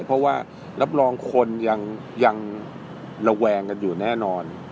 เพราะว่ารับรองคนยังระแวงกันอยู่แน่นอน